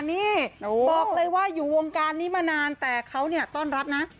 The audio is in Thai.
นี่บอกเลยว่าอยู่วงการนี้มานานแต่เขาเนี่ยต้อนรับนะ